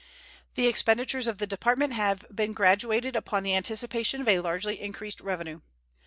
The expenditures of the Department had been graduated upon the anticipation of a largely increased revenue.